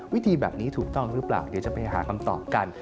วิธีแบบนี้ถูกต้องหรือเปล่าเดี๋ยวจะไปหาคำตอบกัน